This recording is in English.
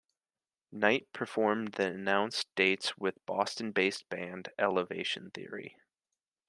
Knight performed the announced dates with Boston-based band Elevation Theory.